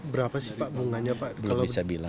berapa sih pak bunganya pak